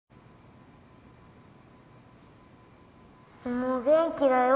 もう元気だよ